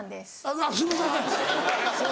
あっすいません。